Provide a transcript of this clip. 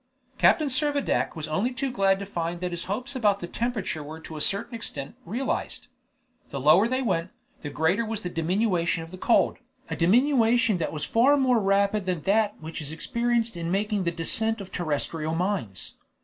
Captain Servadac was only too glad to find that his hopes about the temperature were to a certain extent realized. The lower they went, the greater was the diminution in the cold, a diminution that was far more rapid than that which is experienced in making the descent of terrestrial mines.